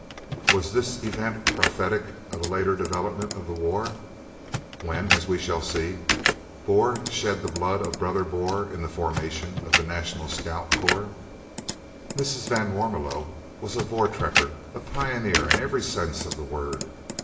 Was this event prophetic of a later development of the war, when, as we shall see, Boer shed the blood of brother Boer in the formation of the National Scouts Corps? Mrs. van Warmelo was a "voor trekker," a pioneer, in every sense of the word.